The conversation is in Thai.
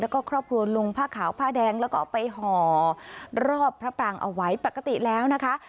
แล้วก็ครอบครัวลงผ้าขาวผ้าแดงแล้วก็ไปห่อรอบพระปรางเอาไว้ปกติแล้วนะคะ